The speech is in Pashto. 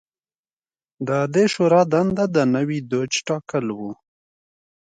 د دې شورا دنده د نوي دوج ټاکل و